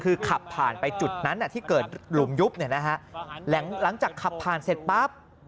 คือขับผ่านไปจุดนั้นที่เกิดหลุมยุบเนี่ยนะฮะหลังจากขับผ่านเสร็จปั๊บ